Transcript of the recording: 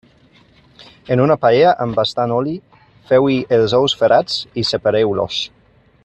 En una paella amb bastant oli, feu-hi els ous ferrats i separeu-los.